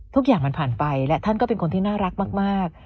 ทุกอย่างมันผ่านไปและท่านก็เป็นคนที่น่ารักมาก